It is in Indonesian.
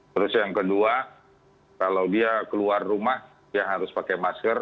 terus yang kedua kalau dia keluar rumah dia harus pakai masker